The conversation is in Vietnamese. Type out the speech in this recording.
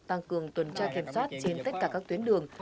tăng cường tuần tra kiểm soát trên tất cả các tuyến đường